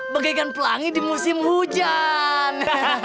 bagaikan pelangi di musim hujan